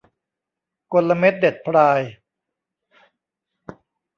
กลเม็ดเด็ดพราย